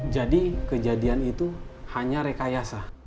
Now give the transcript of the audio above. jadi kejadian itu hanya rekayasa